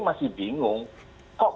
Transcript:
masih bingung kok